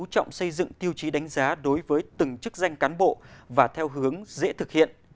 trọng xây dựng tiêu chí đánh giá đối với từng chức danh cán bộ và theo hướng dễ thực hiện